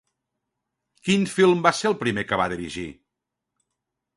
Quin film va ser el primer que va dirigir?